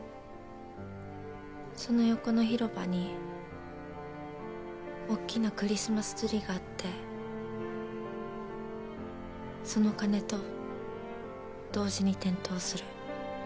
その横の広場におっきなクリスマスツリーがあってその鐘と同時に点灯する。